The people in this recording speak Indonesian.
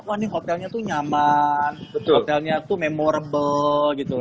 wah ini hotelnya tuh nyaman hotelnya tuh memorable gitu